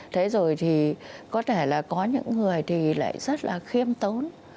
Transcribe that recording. thế rồi thì có thể là có những người thì lại rất là khiêm tốn